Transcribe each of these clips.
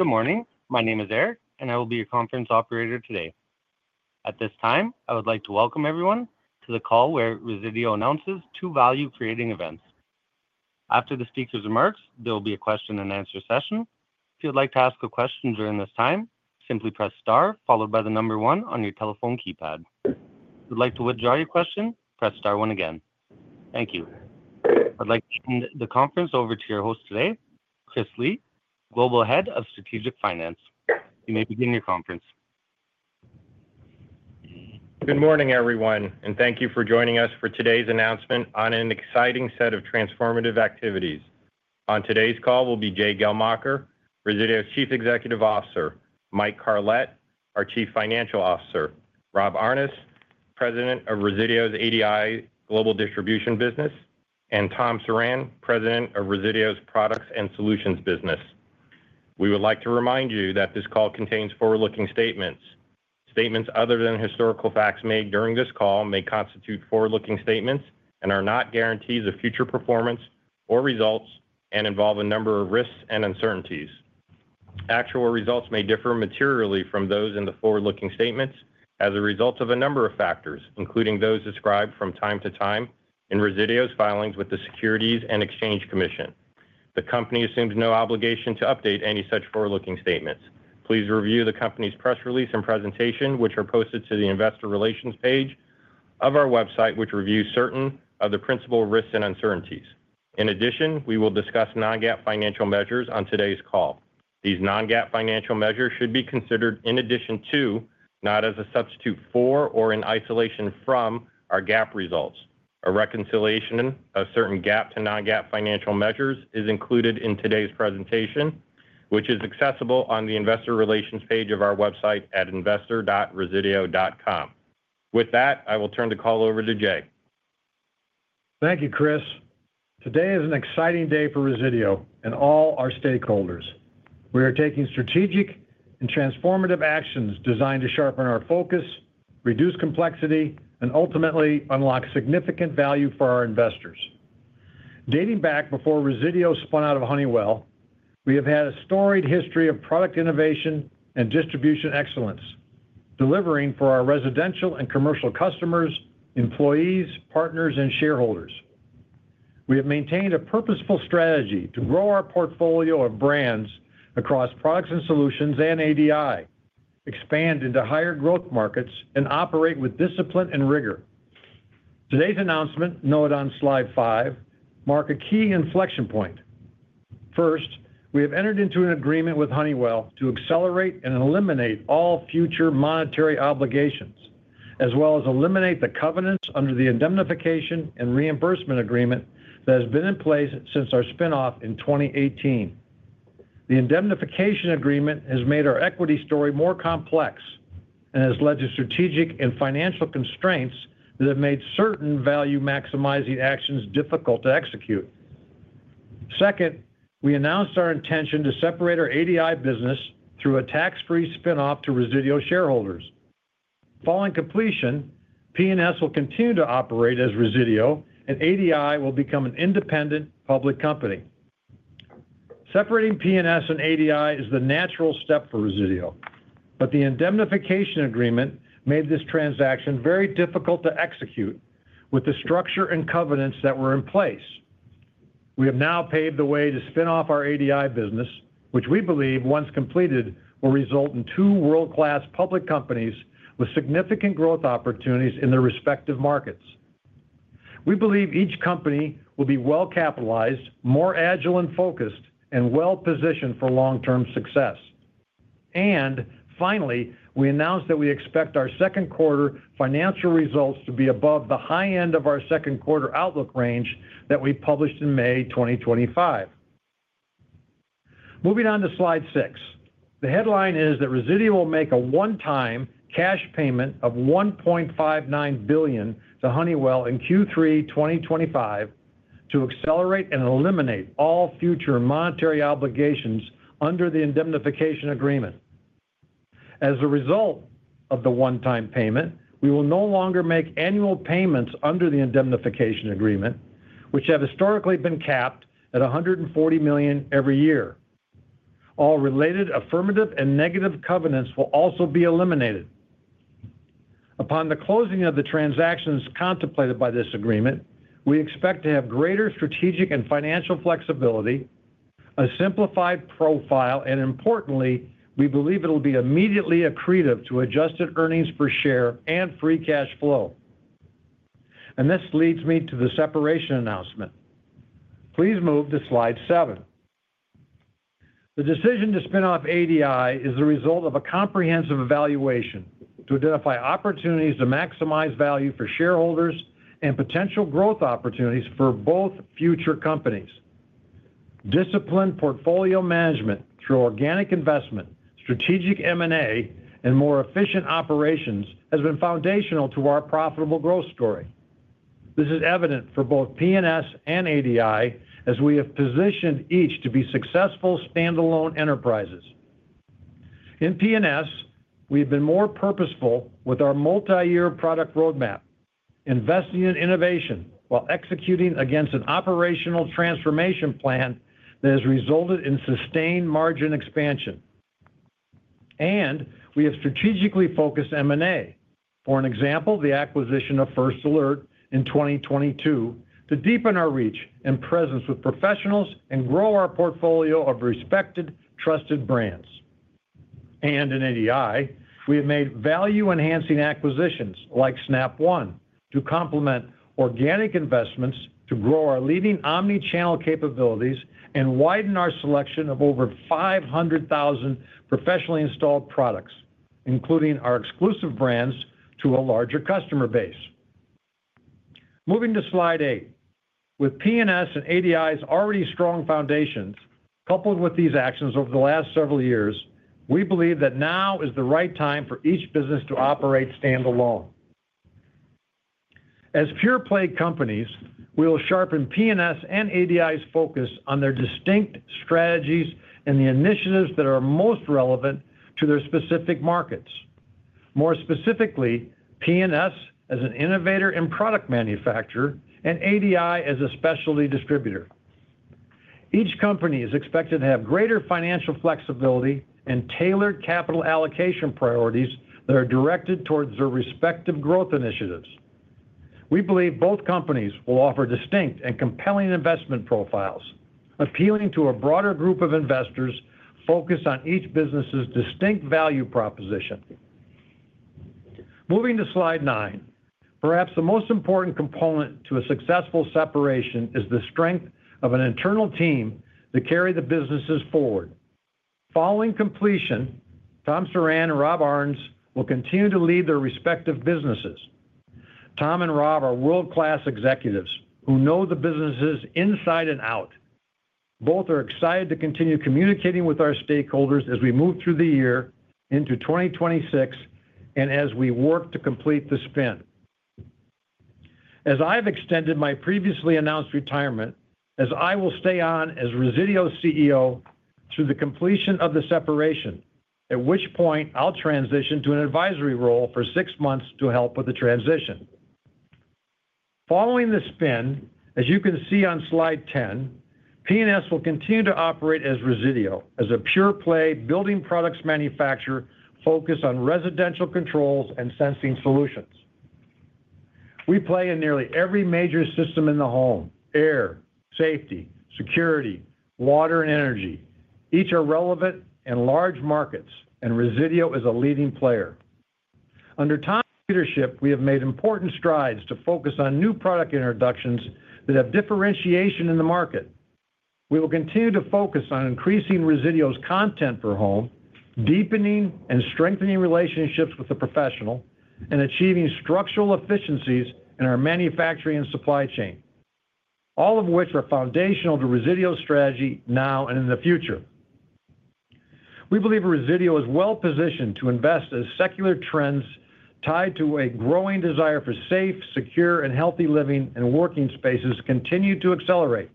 Good morning. My name is Eric, and I will be your conference operator today. At this time, I would like to welcome everyone to the call where Resideo announces two value-creating events. After the speakers' remarks, there will be a question and answer session. If you would like to ask a question during this time, simply press star followed by the number one on your telephone keypad. If you would like to withdraw your question, press star one again. Thank you. I would like to hand the conference over to your host today, Chris Lee, Global Head of Strategic Finance. You may begin your conference. Good morning, everyone, and thank you for joining us for today's announcement on an exciting set of transformative activities. On today's call will be Jay Geldmacher, Resideo's Chief Executive Officer, Mike Carlet, our Chief Financial Officer, Rob Aarnes, President of Resideo's ADI Global Distribution business, and Tom Surran, President of Resideo's Products & Solutions business. We would like to remind you that this call contains forward-looking statements. Statements other than historical facts made during this call may constitute forward-looking statements and are not guarantees of future performance or results and involve a number of risks and uncertainties. Actual results may differ materially from those in the forward-looking statements as a result of a number of factors, including those described from time to time in Resideo's filings with the Securities and Exchange Commission. The company assumes no obligation to update any such forward-looking statements. Please review the company's press release and presentation, which are posted to the Investor Relations page of our website, which reviews certain of the principal risks and uncertainties. In addition, we will discuss non-GAAP financial measures on today's call. These non-GAAP financial measures should be considered in addition to, not as a substitute for, or in isolation from, our GAAP results. A reconciliation of certain GAAP to non-GAAP financial measures is included in today's presentation, which is accessible on the Investor Relations page of our website at investor.resideo.com. With that, I will turn the call over to Jay. Thank you, Chris. Today is an exciting day for Resideo and all our stakeholders. We are taking strategic and transformative actions designed to sharpen our focus, reduce complexity, and ultimately unlock significant value for our investors. Dating back before Resideo spun out of Honeywell, we have had a storied history of product innovation and distribution excellence, delivering for our residential and commercial customers, employees, partners, and shareholders. We have maintained a purposeful strategy to grow our portfolio of brands across Products & Solutions and ADI, expand into higher growth markets, and operate with discipline and rigor. Today's announcement, noted on Slide 5, marks a key inflection point. First, we have entered into an agreement with Honeywell to accelerate and eliminate all future monetary obligations, as well as eliminate the covenants under the Indemnification and Reimbursement Agreement that has been in place since our spin-off in 2018. The Indemnification and Reimbursement Agreement has made our equity story more complex and has led to strategic and financial constraints that have made certain value-maximizing actions difficult to execute. Second, we announced our intention to separate our ADI business through a tax-free spin-off to Resideo shareholders. Following completion, P&S will continue to operate as Resideo, and ADI will become an independent public company. Separating PP&S and ADI is the natural step for Resideo, but the Indemnification and Reimbursement Agreement made this transaction very difficult to execute with the structure and covenants that were in place. We have now paved the way to spin off our ADI business, which we believe, once completed, will result in two world-class public companies with significant growth opportunities in their respective markets. We believe each company will be well-capitalized, more agile and focused, and well-positioned for long-term success. Finally, we announced that we expect our second quarter financial results to be above the high end of our second quarter outlook range that we published in May 2025. Moving on to Slide 6, the headline is that Resideo will make a one-time cash payment of $1.59 billion to Honeywell in Q3 2025 to accelerate and eliminate all future monetary obligations under the Indemnification and Reimbursement Agreement. As a result of the one-time payment, we will no longer make annual payments under the Indemnification and Reimbursement Agreement, which have historically been capped at $140 million every year. All related affirmative and negative covenants will also be eliminated. Upon the closing of the transactions contemplated by this agreement, we expect to have greater strategic and financial flexibility, a simplified profile, and importantly, we believe it will be immediately accretive to adjusted EPS and free cash flow. This leads me to the separation announcement. Please move to Slide 7. The decision to spin off ADI is the result of a comprehensive evaluation to identify opportunities to maximize value for shareholders and potential growth opportunities for both future companies. Disciplined portfolio management through organic investment, strategic M&A, and more efficient operations has been foundational to our profitable growth story. This is evident for both P&S and ADI, as we have positioned each to be successful standalone enterprises. In P&S, we have been more purposeful with our multi-year product roadmap, investing in innovation while executing against an operational transformation plan that has resulted in sustained margin expansion. We have strategically focused M&A. For example, the acquisition of First Alert in 2022, to deepen our reach and presence with professionals and grow our portfolio of respected, trusted brands. In ADI, we have made value-enhancing acquisitions like Snap One to complement organic investments, to grow our leading omnichannel capabilities, and widen our selection of over 500,000 professionally installed products, including our exclusive brands, to a larger customer base. Moving to Slide 8, with P&S and ADI's already strong foundations, coupled with these actions over the last several years, we believe that now is the right time for each business to operate standalone. As pure-play companies, we will sharpen P&S and ADI's focus on their distinct strategies and the initiatives that are most relevant to their specific markets. More specifically, P&S as an innovator and product manufacturer, and ADI as a specialty distributor. Each company is expected to have greater financial flexibility and tailored capital allocation priorities that are directed towards their respective growth initiatives. We believe both companies will offer distinct and compelling investment profiles, appealing to a broader group of investors focused on each business's distinct value proposition. Moving to Slide 9, perhaps the most important component to a successful separation is the strength of an internal team to carry the businesses forward. Following completion, Tom Surran and Rob Aarnes will continue to lead their respective businesses. Tom and Rob are world-class executives who know the businesses inside and out. Both are excited to continue communicating with our stakeholders as we move through the year into 2026 and as we work to complete the spin. As I've extended my previously announced retirement, I will stay on as Resideo's CEO through the completion of the separation, at which point I'll transition to an advisory role for six months to help with the transition. Following the spin, as you can see on lide 10, P&S will continue to operate as Resideo, as a pure-play building products manufacturer focused on residential controls and sensing solutions. We play in nearly every major system in the home: air, safety, security, water, and energy. Each are relevant and large markets, and Resideo is a leading player. Under Tom's leadership, we have made important strides to focus on new product introductions that have differentiation in the market. We will continue to focus on increasing Resideo's content for home, deepening and strengthening relationships with the professional, and achieving structural efficiencies in our manufacturing and supply chain, all of which are foundational to Resideo's strategy now and in the future. We believe Resideo is well-positioned to invest as secular trends tied to a growing desire for safe, secure, and healthy living and working spaces continue to accelerate.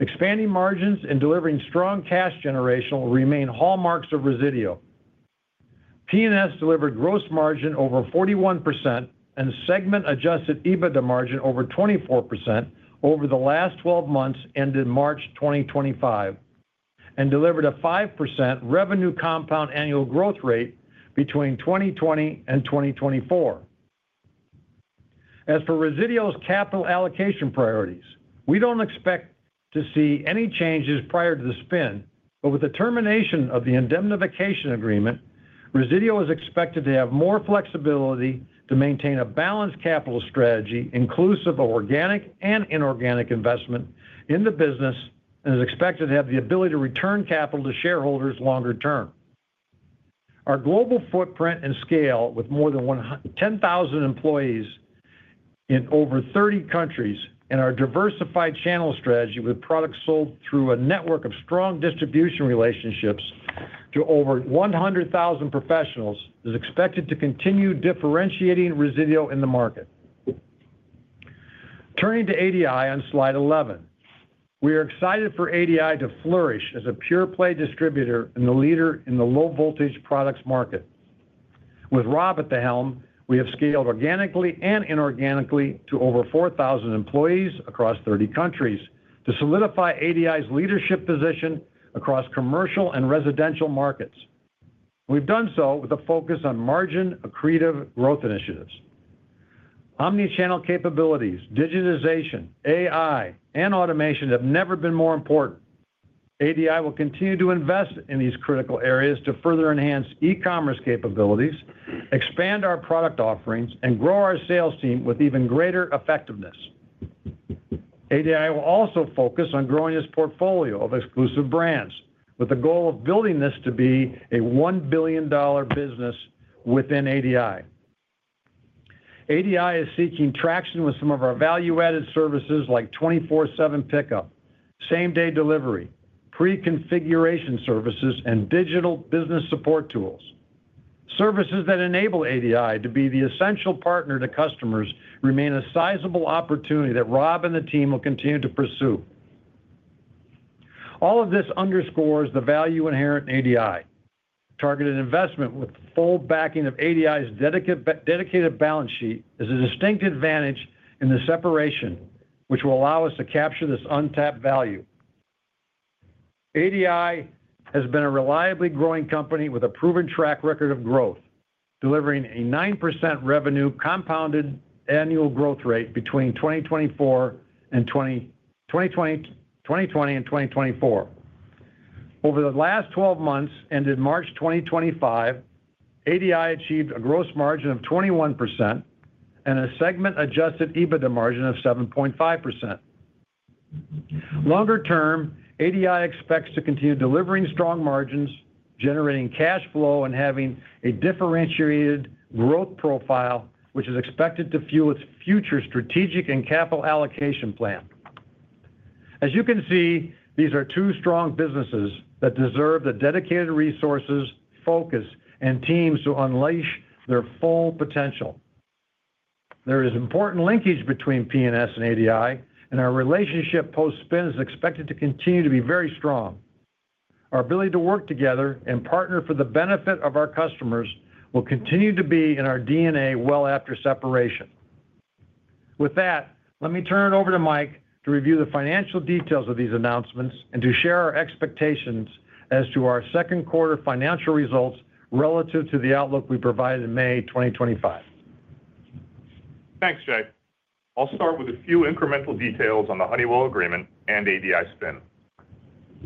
Expanding margins and delivering strong cash generation will remain hallmarks of Resideo. P&S delivered gross margin over 41% and segment-adjusted EBITDA margin over 24% over the last 12 months ended March 2025, and delivered a 5% revenue compound annual growth rate between 2020 and 2024. As for Resideo's capital allocation priorities, we don't expect to see any changes prior to the spin, but with the termination of the Indemnification and Reimbursement Agreement, Resideo is expected to have more flexibility to maintain a balanced capital strategy, inclusive of organic and inorganic investment in the business, and is expected to have the ability to return capital to shareholders longer term. Our global footprint and scale, with more than 10,000 employees in over 30 countries, and our diversified channel strategy with products sold through a network of strong distribution relationships to over 100,000 professionals, is expected to continue differentiating Resideo in the market. Turning to ADI on Slide 11, we are excited for ADI to flourish as a pure-play distributor and the leader in the low-voltage products market. With Rob at the helm, we have scaled organically and inorganically to over 4,000 employees across 30 countries to solidify ADI's leadership position across commercial and residential markets. We've done so with a focus on margin accretive growth initiatives. Omnichannel capabilities, digitization, AI, and automation have never been more important. ADI will continue to invest in these critical areas to further enhance e-commerce capabilities, expand our product offerings, and grow our sales team with even greater effectiveness. ADI will also focus on growing its portfolio of exclusive brands, with the goal of building this to be a $1 billion business within ADI. ADI is seeking traction with some of our value-added services like 24/7 pickup, same-day delivery, pre-configuration services, and digital business support tools. Services that enable ADI to be the essential partner to customers remain a sizable opportunity that Rob and the team will continue to pursue. All of this underscores the value inherent in ADI. Targeted investment with full backing of ADI's dedicated balance sheet is a distinct advantage in the separation, which will allow us to capture this untapped value. ADI has been a reliably growing company with a proven track record of growth, delivering a 9% revenue compound annual growth rate between 2020 and 2024. Over the last 12 months ended March 2025, ADI achieved a gross margin of 21% and a segment-adjusted EBITDA margin of 7.5%. Longer term, ADI expects to continue delivering strong margins, generating cash flow, and having a differentiated growth profile, which is expected to fuel its future strategic and capital allocation plan. As you can see, these are two strong businesses that deserve the dedicated resources, focus, and teams to unleash their full potential. There is important linkage between P&S and ADI, and our relationship post-spin is expected to continue to be very strong. Our ability to work together and partner for the benefit of our customers will continue to be in our DNA well after separation. With that, let me turn it over to Mike to review the financial details of these announcements and to share our expectations as to our second quarter financial results relative to the outlook we provided in May 2025. Thanks, Jay. I'll start with a few incremental details on the Honeywell agreement and ADI spin.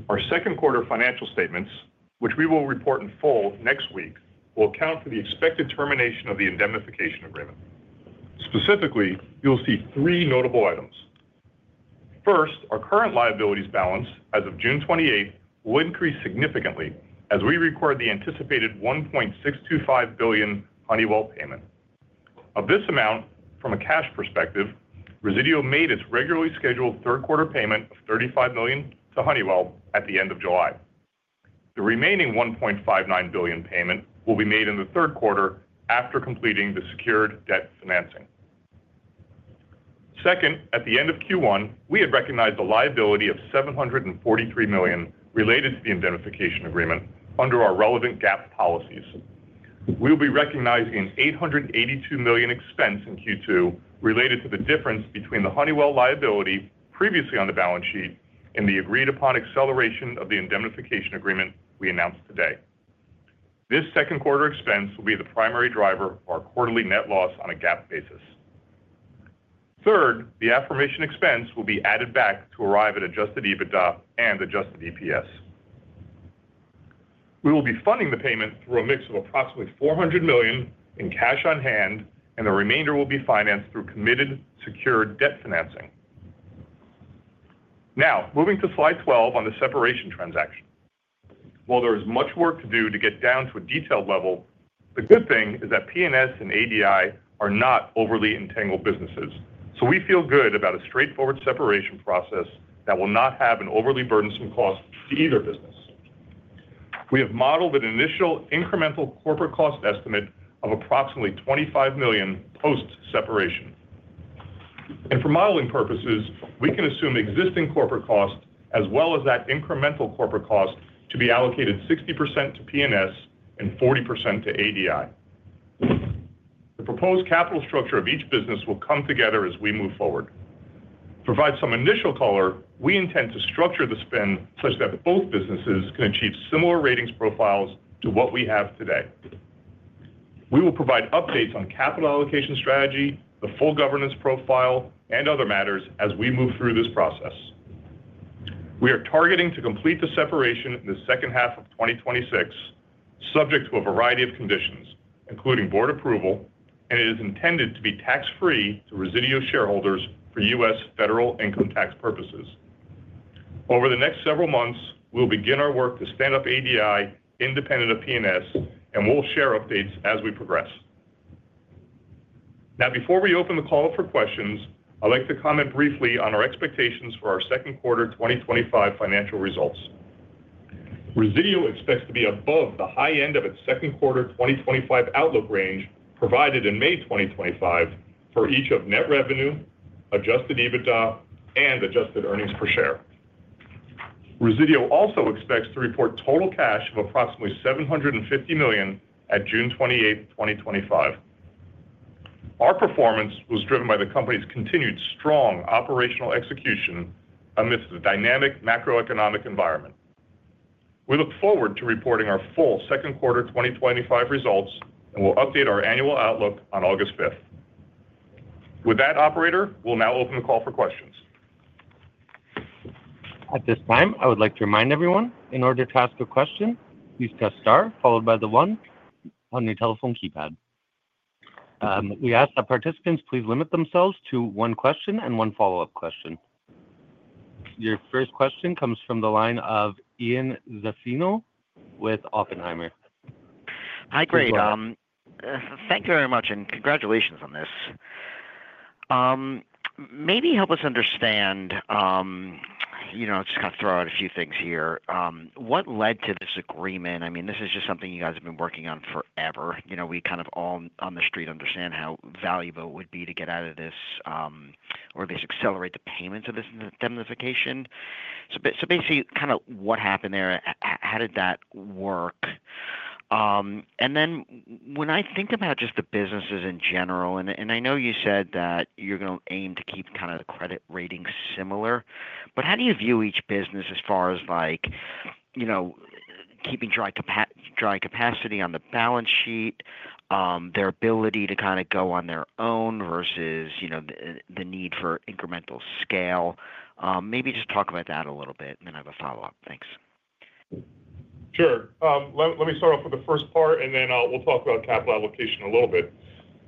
Our second quarter financial statements, which we will report in full next week, will account for the expected termination of the Indemnification and Reimbursement Agreement. Specifically, you'll see three notable items. First, our current liabilities balance as of June 28 will increase significantly as we record the anticipated $1.625 billion Honeywell payment. Of this amount, from a cash perspective, Resideo made its regularly scheduled third quarter payment of $35 million to Honeywell at the end of July. The remaining $1.59 billion payment will be made in the third quarter after completing the secured debt financing. Second, at the end of Q1, we had recognized a liability of $743 million related to the Indemnification and Reimbursement Agreement under our relevant GAAP policies. We'll be recognizing an $882 million expense in Q2 related to the difference between the Honeywell liability previously on the balance sheet and the agreed-upon acceleration of the Indemnification and Reimbursement Agreement we announced today. This second quarter expense will be the primary driver of our quarterly net loss on a GAAP basis. Third, the aforementioned expense will be added back to arrive at adjusted EBITDA and adjusted EPS. We will be funding the payment through a mix of approximately $400 million in cash on hand, and the remainder will be financed through committed secured debt financing. Now, moving to Slide 12 on the separation transaction. While there is much work to do to get down to a detailed level, the good thing is that P&S and ADI are not overly entangled businesses, so we feel good about a straightforward separation process that will not have an overly burdensome cost to either business. We have modeled an initial incremental corporate cost estimate of approximately $25 million post-separation. For modeling purposes, we can assume existing corporate costs, as well as that incremental corporate cost, to be allocated 60% to P&S and 40% to ADI. The proposed capital structure of each business will come together as we move forward. To provide some initial color, we intend to structure the spin such that both businesses can achieve similar ratings profiles to what we have today. We will provide updates on capital allocation strategy, the full governance profile, and other matters as we move through this process. We are targeting to complete the separation in the second half of 2026, subject to a variety of conditions, including board approval, and it is intended to be tax-free to Resideo shareholders for U.S. federal income tax purposes. Over the next several months, we'll begin our work to stand up ADI independent of P&S, and we'll share updates as we progress. Now, before we open the call for questions, I'd like to comment briefly on our expectations for our second quarter 2025 financial results. Resideo expects to be above the high end of its second quarter 2025 outlook range provided in May 2025 for each of net revenue, adjusted EBITDA, and adjusted earnings per share. Resideo also expects to report total cash of approximately $750 million at June 28, 2025. Our performance was driven by the company's continued strong operational execution amidst a dynamic macroeconomic environment. We look forward to reporting our full second quarter 2025 results, and we'll update our annual outlook on August 5. With that, operator, we'll now open the call for questions. At this time, I would like to remind everyone, in order to ask a question, please press star followed by the one on your telephone keypad. We ask that participants please limit themselves to one question and one follow-up question. Your first question comes from the line of Ian Zaffino with Oppenheimer. Hi, great. Thank you very much, and congratulations on this. Maybe help us understand, you know, I'll just kind of throw out a few things here. What led to this agreement? I mean, is this just something you guys have been working on forever? We kind of all on the street understand how valuable it would be to get out of this, or at least accelerate the payments of this Indemnification and Reimbursement Agreement. Basically, what happened there? How did that work? When I think about just the businesses in general, and I know you said that you're going to aim to keep the credit rating similar, how do you view each business as far as keeping dry capacity on the balance sheet, their ability to go on their own versus the need for incremental scale? Maybe just talk about that a little bit, and then I have a follow-up. Thanks. Sure. Let me start off with the first part, and then we'll talk about capital allocation a little bit.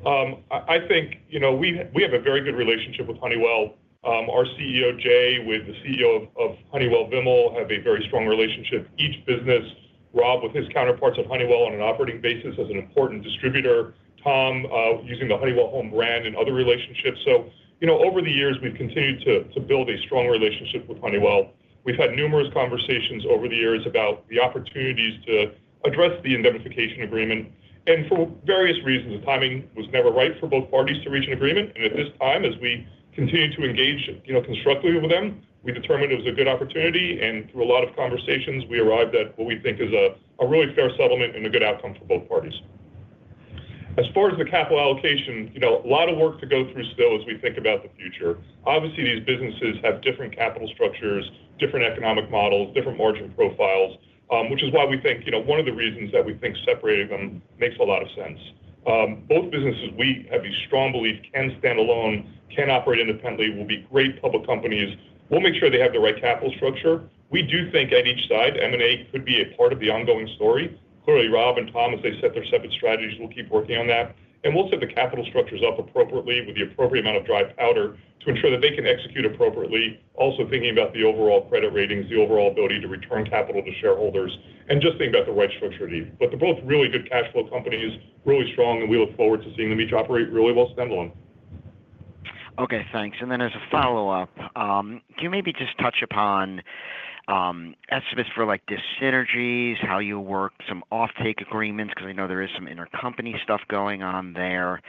I think, you know, we have a very good relationship with Honeywell. Our CEO, Jay, with the CEO of Honeywell, have a very strong relationship. Each business, Rob, with his counterparts at Honeywell on an operating basis as an important distributor, Tom using the Honeywell Home brand and other relationships. Over the years, we've continued to build a strong relationship with Honeywell. We've had numerous conversations over the years about the opportunities to address the Indemnification and Reimbursement Agreement. For various reasons, the timing was never right for both parties to reach an agreement. At this time, as we continue to engage constructively with them, we determined it was a good opportunity. Through a lot of conversations, we arrived at what we think is a really fair settlement and a good outcome for both parties. As far as the capital allocation, a lot of work to go through still as we think about the future. Obviously, these businesses have different capital structures, different economic models, different margin profiles, which is why we think one of the reasons that we think separating them makes a lot of sense. Both businesses, we have a strong belief, can stand alone, can operate independently, will be great public companies. We'll make sure they have the right capital structure. We do think at each side, M&A could be a part of the ongoing story. Clearly, Rob and Tom, as they set their separate strategies, will keep working on that. We'll set the capital structures up appropriately with the appropriate amount of dry powder to ensure that they can execute appropriately. Also, thinking about the overall credit ratings, the overall ability to return capital to shareholders, and just thinking about the right structure to do. They're both really good cash flow companies, really strong, and we look forward to seeing them each operate really well standalone. Okay, thanks. As a follow-up, can you maybe just touch upon estimates for the synergies, how you work some off-take agreements? I know there is some intercompany stuff going on there.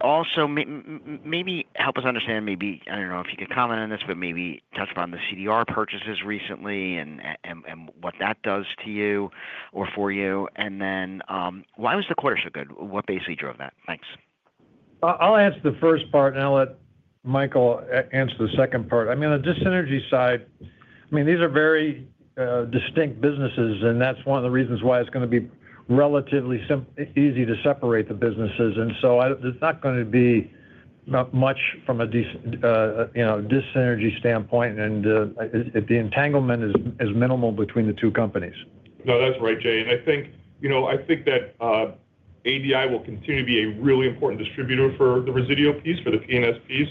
Also, maybe help us understand, I don't know if you could comment on this, but maybe touch upon the CDR purchases recently and what that does to you or for you. Why was the quarter so good? What basically drove that? Thanks. I'll answer the first part, and I'll let Mike answer the second part. On the dis-synergy side, these are very distinct businesses, and that's one of the reasons why it's going to be relatively easy to separate the businesses. There's not going to be much from a dis-synergy standpoint, and the entanglement is minimal between the two companies. That's right, Jay. I think that ADI will continue to be a really important distributor for the Resideo piece, for the P&S piece.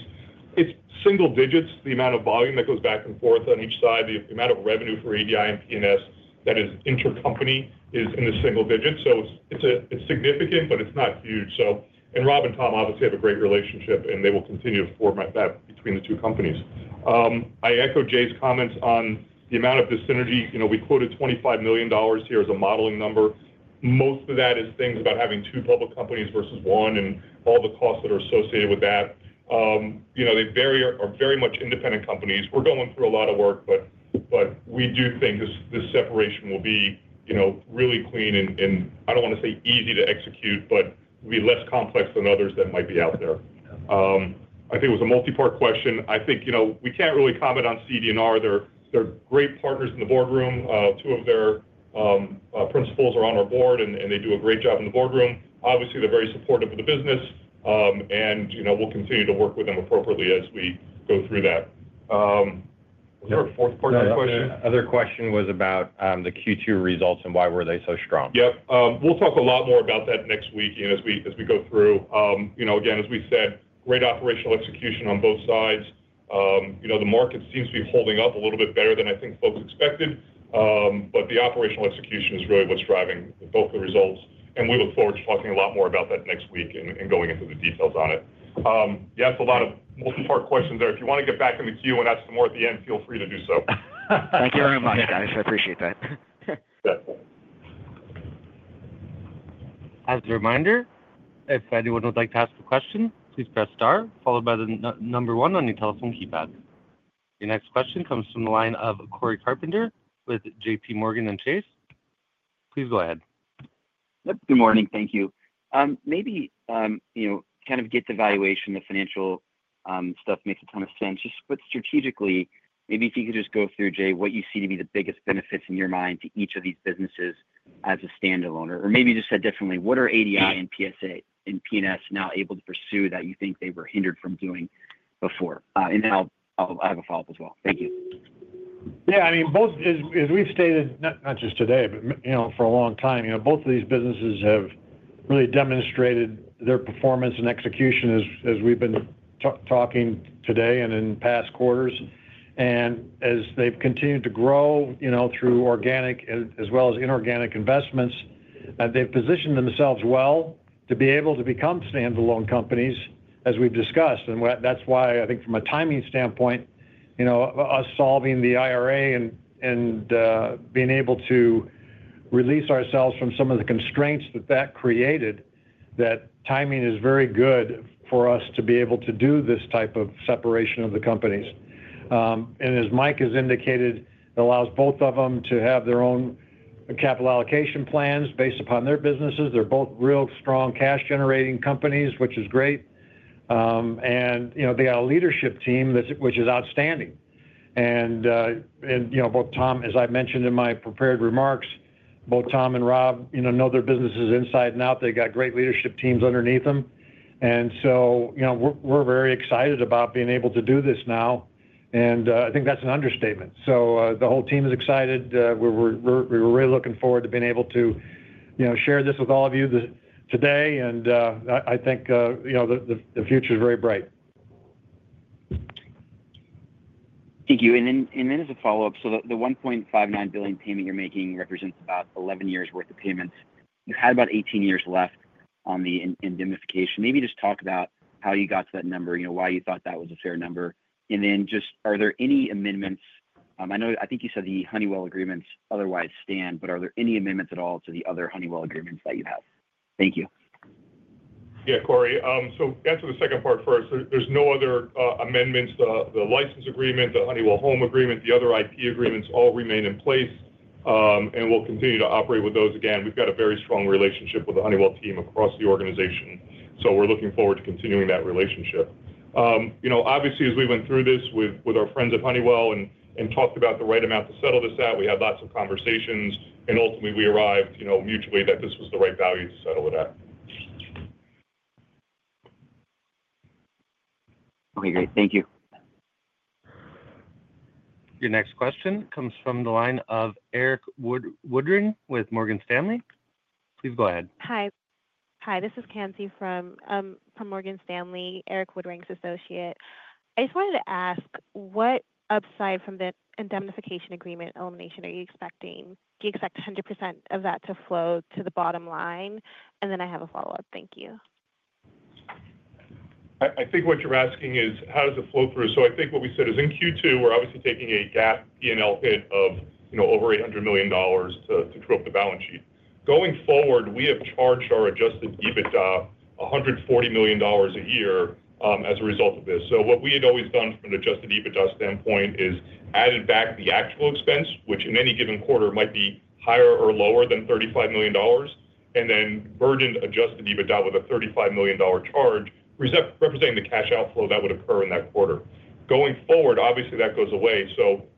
It's single digits, the amount of volume that goes back and forth on each side, the amount of revenue for ADI and P&S that is intercompany is in the single digits. It's significant, but it's not huge. Rob and Tom obviously have a great relationship, and they will continue to form that between the two companies. I echo Jay's comments on the amount of dis-synergy. We quoted $25 million here as a modeling number. Most of that is things about having two public companies versus one and all the costs that are associated with that. They are very much independent companies. We're going through a lot of work, but we do think this separation will be really clean, and I don't want to say easy to execute, but it'll be less complex than others that might be out there. I think it was a multi-part question. We can't really comment on CD&R. They're great partners in the boardroom. Two of their principals are on our board, and they do a great job in the boardroom. They're very supportive of the business, and we'll continue to work with them appropriately as we go through that. Was there a fourth part of that question? Another question was about the Q2 results and why were they so strong? We'll talk a lot more about that next week as we go through. As we said, great operational execution on both sides. The market seems to be holding up a little bit better than I think folks expected, but the operational execution is really what's driving both the results. We look forward to talking a lot more about that next week and going into the details on it. It's a lot of multi-part questions there. If you want to get back in the queue and ask some more at the end, feel free to do so. Thank you very much, guys. I appreciate that. Yeah. As a reminder, if anyone would like to ask a question, please press star followed by the number one on your telephone keypad. Your next question comes from the line of Cory Carpenter with JPMorgan Chase. Please go ahead. Good morning. Thank you. Maybe, you know, kind of get the valuation, the financial stuff makes a ton of sense. Just what strategically, maybe if you could just go through, Jay, what you see to be the biggest benefits in your mind to each of these businesses as a standalone? Maybe just said differently, what are ADI and P&S now able to pursue that you think they were hindered from doing before? I'll have a follow-up as well. Thank you. Yeah, I mean, both, as we've stated, not just today, but for a long time, both of these businesses have really demonstrated their performance and execution as we've been talking today and in past quarters. As they've continued to grow through organic as well as inorganic investments, they've positioned themselves well to be able to become standalone companies as we've discussed. That's why I think from a timing standpoint, us solving the Indemnification and Reimbursement Agreement and being able to release ourselves from some of the constraints that that created, that timing is very good for us to be able to do this type of separation of the companies. As Mike has indicated, it allows both of them to have their own capital allocation plans based upon their businesses. They're both real strong cash-generating companies, which is great. They have a leadership team which is outstanding. Both Tom, as I mentioned in my prepared remarks, and Rob know their businesses inside and out. They've got great leadership teams underneath them. We're very excited about being able to do this now, and I think that's an understatement. The whole team is excited. We were really looking forward to being able to share this with all of you today. I think the future is very bright. Thank you. As a follow-up, the $1.59 billion payment you're making represents about 11 years' worth of payments. You had about 18 years left on the Indemnification and Reimbursement Agreement. Maybe just talk about how you got to that number, why you thought that was a fair number. Are there any amendments? I know you said the Honeywell agreements otherwise stand, but are there any amendments at all to the other Honeywell agreements that you have? Thank you. Yeah, Corey. To answer the second part first, there's no other amendments. The license agreement, the Honeywell Home agreement, the other IP agreements all remain in place. We'll continue to operate with those. We've got a very strong relationship with the Honeywell team across the organization. We're looking forward to continuing that relationship. Obviously, as we went through this with our friends at Honeywell and talked about the right amount to settle this at, we had lots of conversations. Ultimately, we arrived mutually that this was the right value to settle it at. Okay, great. Thank you. Your next question comes from the line of Erik Woodring with Morgan Stanley. Please go ahead. Hi, this is Kathy from Morgan Stanley, Erik Woodring's associate. I just wanted to ask, what upside from the Indemnification and Reimbursement Agreement elimination are you expecting? Do you expect 100% of that to flow to the bottom line? I have a follow-up. Thank you. I think what you're asking is how does it flow through? I think what we said is in Q2, we're obviously taking a GAAP P&L hit of over $800 million to true up the balance sheet. Going forward, we have charged our adjusted EBITDA $140 million a year as a result of this. What we had always done from an adjusted EBITDA standpoint is added back the actual expense, which in any given quarter might be higher or lower than $35 million, and then burdened adjusted EBITDA with a $35 million charge, representing the cash outflow that would occur in that quarter. Going forward, that goes away.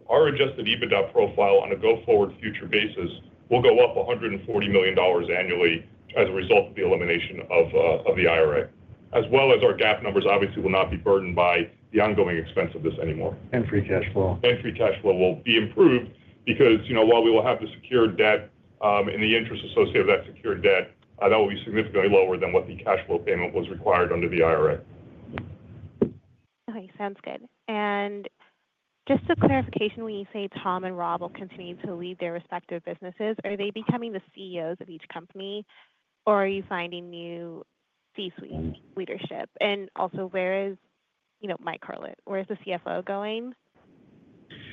Our adjusted EBITDA profile on a go-forward future basis will go up $140 million annually as a result of the elimination of the IRA. As well as our GAAP numbers, obviously, will not be burdened by the ongoing expense of this anymore. Free cash flow. Free cash flow will be improved because, you know, while we will have the secured debt and the interest associated with that secured debt, that will be significantly lower than what the cash flow payment was required under the Indemnification and Reimbursement Agreement. Okay, sounds good. Just a clarification, when you say Tom and Rob will continue to lead their respective businesses, are they becoming the CEOs of each company, or are you finding new C-suite leadership? Also, where is Mike Carlet? Where is the CFO going?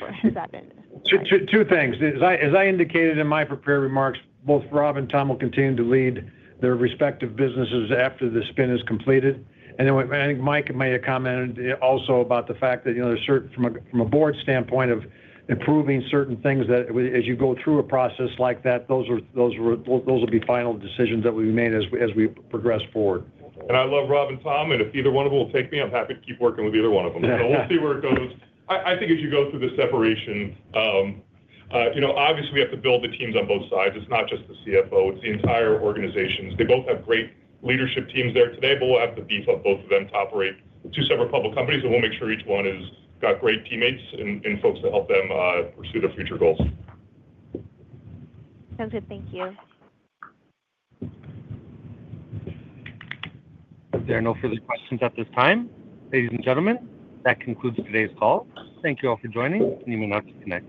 Where has that been? Two things. As I indicated in my prepared remarks, both Rob and Tom will continue to lead their respective businesses after the spin is completed. I think Mike may have commented also about the fact that, you know, there's certain from a board standpoint of approving certain things that as you go through a process like that, those will be final decisions that will be made as we progress forward. I love Rob and Tom, and if either one of them will take me, I'm happy to keep working with either one of them. We'll see where it goes. I think as you go through the separation, obviously, we have to build the teams on both sides. It's not just the CFO. It's the entire organization. They both have great leadership teams there today, but we'll have to beef up both of them to operate two separate public companies. We'll make sure each one has got great teammates and folks to help them pursue their future goals. Sounds good. Thank you. If there are no further questions at this time, ladies and gentlemen, that concludes today's call. Thank you all for joining.